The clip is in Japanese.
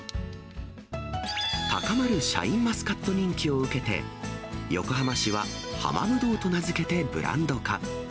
高まるシャインマスカット人気を受けて、横浜市は、浜ぶどうと名付けてブランド化。